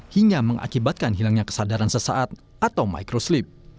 hingga mengakibatkan hilangnya kesadaran sesaat atau microslip